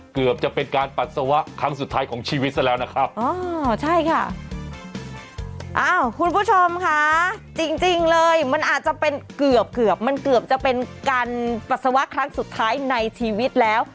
เกือบจะเป็นการปัสสาวะครั้งสุดท้ายของชีวิตซะแล้วนะครับอ๋อใช่ค่ะอ้าวคุณผู้ชมค่ะจริงจริงเลยมันอาจจะเป็นเกือบเกือบมันเกือบจะเป็นการปัสสาวะครั้งสุดท้ายในชีวิตแล้ว